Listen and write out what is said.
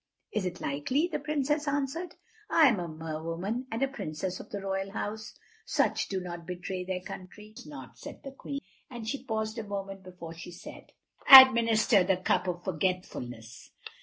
"Is it likely?" the Princess answered. "I am a Mer woman, and a Princess of the Royal House. Such do not betray their country." "No, I suppose not," said the Queen. And she paused a moment before she said, "Administer the cup of forgetfulness."